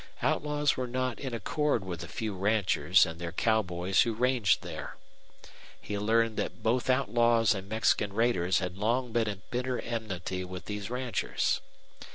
Outlaws were not in accord with the few ranchers and their cowboys who ranged there. He learned that both outlaws and Mexican raiders had long been at bitter enmity with these ranchers.